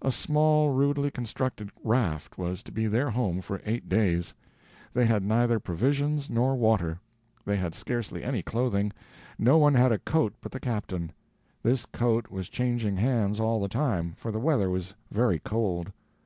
A small, rudely constructed raft was to be their home for eight days. They had neither provisions nor water. They had scarcely any clothing; no one had a coat but the captain. This coat was changing hands all the time, for the weather was very cold.